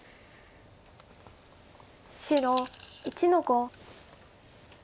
白１の五。